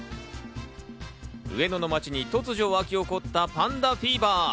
上野の街に突如沸き起こったパンダフィーバー。